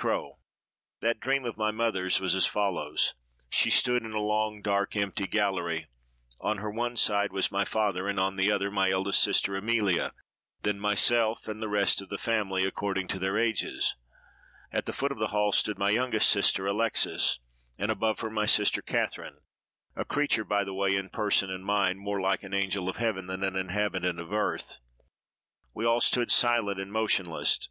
CROWE: That dream of my mother's was as follows: She stood in a long, dark, empty gallery: on her one side was my father, and on the other my eldest sister Amelia; then myself, and the rest of the family, according to their ages. At the foot of the hall stood my youngest sister Alexes, and above her my sister Catherine—a creature, by the way, in person and mind, more like an angel of heaven than an inhabitant of earth. We all stood silent and motionless.